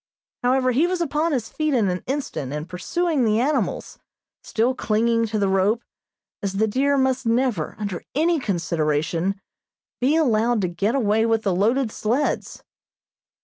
However, he was upon his feet in an instant, and pursuing the animals, still clinging to the rope, as the deer must never, under any consideration, be allowed to get away with the loaded sleds.